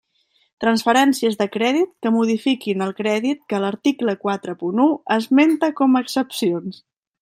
Transferències de crèdit que modifiquin els crèdits que l'article quatre punt u esmenta com a excepcions.